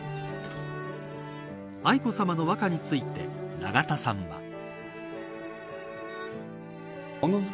愛子さまの和歌について永田さんは。